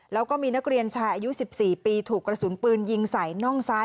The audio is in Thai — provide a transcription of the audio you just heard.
แล้วก็มีนักเรียนชายอายุ๑๔ปีถูกกระสุนปืนยิงใส่น่องซ้าย